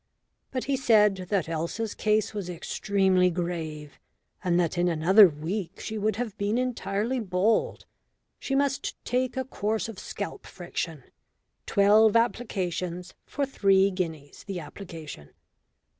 But he said that Elsa's case was extremely grave, and that in another week she would have been entirely bald. She must take a course of scalp friction; twelve applications for three guineas the application.